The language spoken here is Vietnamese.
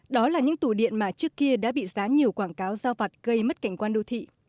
đó là những tủ điện mà trước kia đã bị giá nhiều quảng cáo giao vặt gây mất cảnh quan đô thị